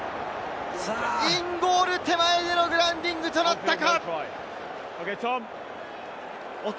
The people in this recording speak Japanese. インゴール手前でのグラウンディングとなったか。